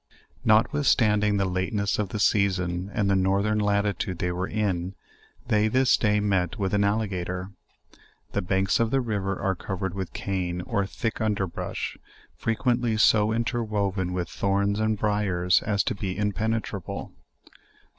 Notwithstanding the lateness of the season, and the north ern latitude they were in, they this day met with an alliga tor. The banks of the river are covered with cane, or thick under brush, frequently so interwoven with thorns and bri ars as to be impenetrable.